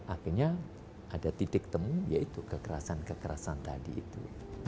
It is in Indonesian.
akhirnya ada titik temu yaitu kekerasan kekerasan tadi itu